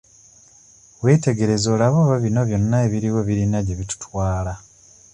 Weetegereze olabe oba bino byonna ebiriwo birina gye bitutwala.